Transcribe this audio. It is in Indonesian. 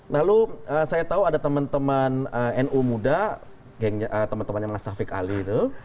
lalu saya tahu ada teman teman nu muda teman temannya mas safik ali itu